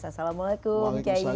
assalamualaikum kiai apa kabar